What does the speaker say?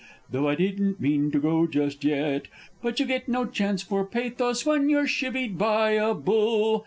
(Though I didn't mean to go just yet); But you get no chance for pathos when you're chivied by a bull!